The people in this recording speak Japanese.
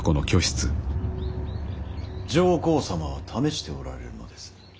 上皇様は試しておられるのです。